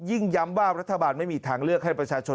ย้ำว่ารัฐบาลไม่มีทางเลือกให้ประชาชน